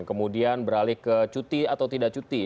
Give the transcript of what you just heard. kemudian beralih ke cuti atau tidak cuti